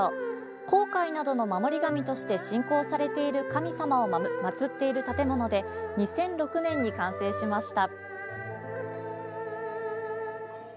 航海などの守り神として信仰されている神様を祭っている建物で２００６年に完成しました。